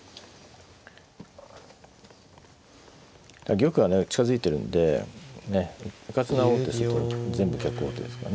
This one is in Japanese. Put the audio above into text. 玉はね近づいてるんでうかつな王手すると全部逆王手ですからね。